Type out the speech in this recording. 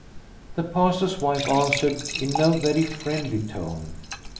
The Pastor's wife answered in no very friendly tone.